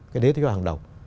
cái đấy tôi cho hàng đầu